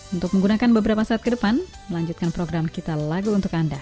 untuk menggunakan beberapa saat ke depan melanjutkan program kita lagu untuk anda